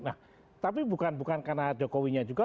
nah tapi bukan karena jokowinya juga